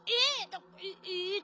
えっ！